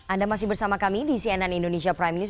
anda masih bersama kami di cnn indonesia prime news